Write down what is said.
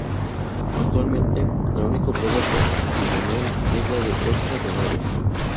Actualmente, la única prueba con timonel es la de ocho remeros.